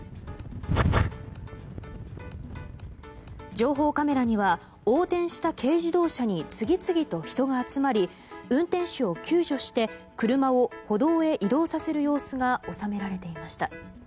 情報カメラには横転した軽自動車に次々と人が集まり運転手を救助して車を歩道へ移動させる様子が収められていました。